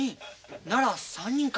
なら３人か？